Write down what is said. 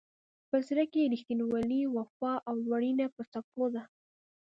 په زړه کې یې رښتینولي، وفا او لورینه په څپو ده.